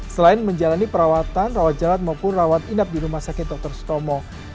selain menjalani perawatan rawat jalan maupun rawat inap di rumah sakit dr sutomo